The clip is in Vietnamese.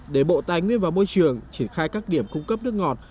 để bộ tài nguyên và môi trường triển khai các điểm cung cấp nước ngọt